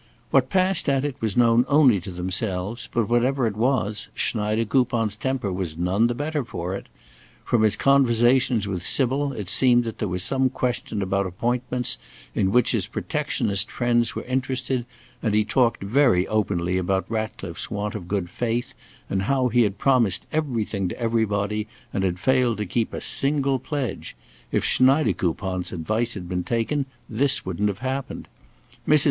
What passed at it was known only to themselves, but, whatever it was, Schneidekoupon's temper was none the better for it. From his conversations with Sybil, it seemed that there was some question about appointments in which his protectionist friends were interested, and he talked very openly about Ratcliffe's want of good faith, and how he had promised everything to everybody and had failed to keep a single pledge; if Schneidekoupon's advice had been taken, this wouldn't have happened. Mrs.